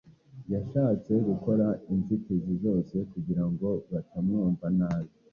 Yashatse gukuraho inzitizi zose kugira ngo batamwumva nabi,